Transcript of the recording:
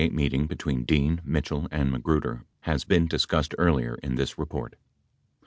90 The March 28 meeting between Dean, Mitchell and Magruder has been discussed earlier in this report.